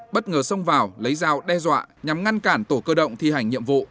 bất ngờ xông vào lấy dao đe dọa nhằm ngăn cản tổ cơ động thi hành nhiệm vụ